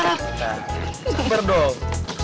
nah simpan dong